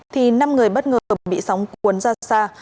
thì năm người bất ngờ bị sóng cuốn ra xa